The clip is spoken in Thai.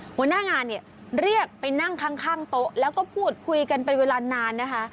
หัวหน้างานเนี่ยเรียกไปนั่งข้างโต๊ะแล้วก็พูดคุยกันเป็นเวลานานนะคะ